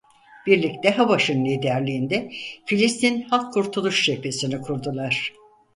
Birlikte Habaş'ın liderliğinde Filistin Halk Kurtuluş Cephesini kurdular.